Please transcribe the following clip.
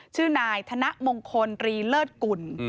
ชื่อนายธนมงคลรีเลิศกุล